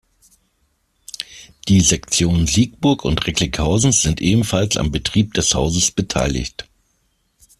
Die Sektionen Siegburg und Recklinghausen sind ebenfalls am Betrieb des Hauses beteiligt.